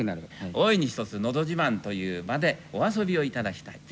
大いに「のど自慢」という場でお遊びをいただきたい。